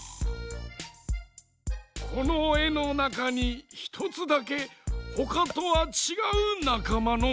このえのなかに１つだけほかとはちがうなかまのものがある。